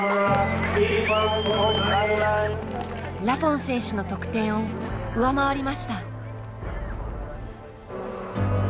ラフォン選手の得点を上回りました。